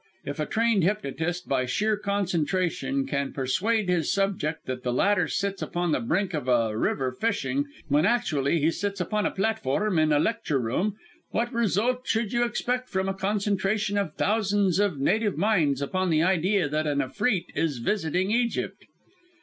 If a trained hypnotist, by sheer concentration, can persuade his subject that the latter sits upon the brink of a river fishing when actually he sits upon a platform in a lecture room, what result should you expect from a concentration of thousands of native minds upon the idea that an Efreet is visiting Egypt?"